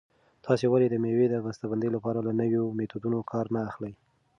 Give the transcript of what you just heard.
تاسې ولې د مېوو د بسته بندۍ لپاره له نویو میتودونو کار نه اخلئ؟